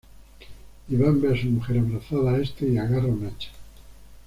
Iván ve a su mujer abrazada a este y agarra un hacha.